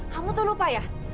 kamu tuh lupa ya